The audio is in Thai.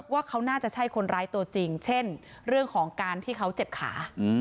ว่าเขาน่าจะใช่คนร้ายตัวจริงเช่นเรื่องของการที่เขาเจ็บขา